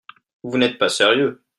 Vous n’êtes pas sérieux